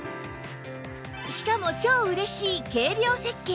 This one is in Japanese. しかも超嬉しい軽量設計